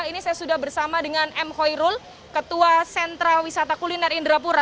ini saya sudah bersama dengan m hoirul ketua sentra wisata kuliner indrapura